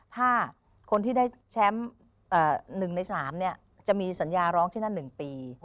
ถ้าคนที่ได้แชมป์๑ใน๓จะมีสัญญาร้องที่นั่น๑ปี